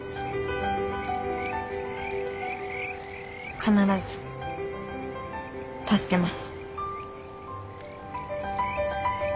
必ず助けます。